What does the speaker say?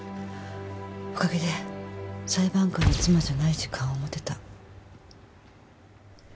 おかげで裁判官の妻じゃない時間を持てた。